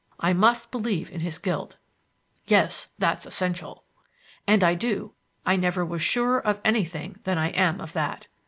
I must believe in his guilt." "Yes, that's essential." "And I do. I never was surer of anything than I am of that.